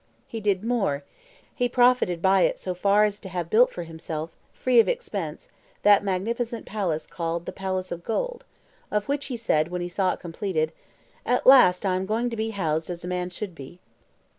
He did more: he profited by it so far as to have built for himself, free of expense, that magnificent palace called "The Palace of Gold," of which he said, when he saw it completed, "At last I am going to be housed as a man should be."